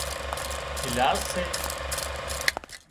گلاسي سي